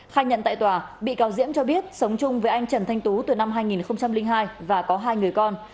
khai nhận tại tòa bị cáo diễm cho biết sống chung với anh trần thanh tú từ năm hai nghìn hai và có hai người con